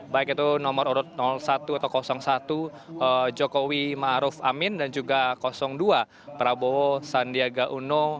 baik itu nomor urut satu atau satu jokowi maruf amin dan juga dua prabowo sandiaga uno